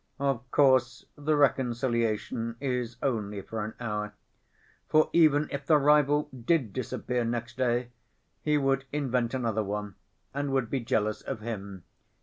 Of course the reconciliation is only for an hour. For, even if the rival did disappear next day, he would invent another one and would be jealous of him.